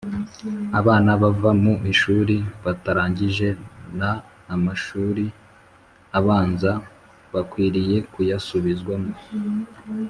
abana bava mu ishuri batarangije na amshuri abanza bakwiriye kuyasubizwamo